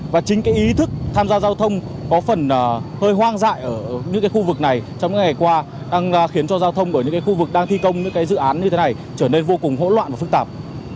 và chính ý thức tham gia giao thông có phần hơi hoang dãi ở những khu vực này trong những ngày qua đang khiến cho giao thông ở những khu vực đang thi công những dự án như thế này trở nên vô cùng hỗn loạn và phức tạp